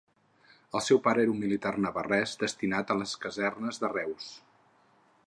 El seu pare era un militar navarrès destinat a les casernes de Reus.